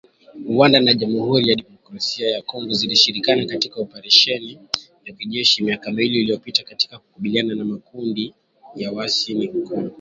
Rwanda na Jamuhuri ya kidemokrasia ya Kongo zilishirikiana katika oparesheni ya kijeshi miaka miwili iliyopita katika kukabiliana na makundi ya waasi nchini Kongo